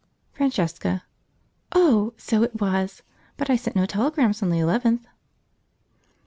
Francesca. "Oh! so it was; but I sent no telegrams on the 11th."